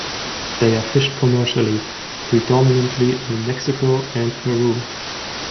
They are fished commercially, predominantly in Mexico and Peru.